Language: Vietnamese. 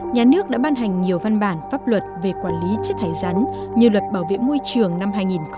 nhà nước đã ban hành nhiều văn bản pháp luật về quản lý chất thải rắn như luật bảo vệ môi trường năm hai nghìn một mươi ba